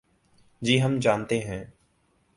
جی ہم جانتے ہیں۔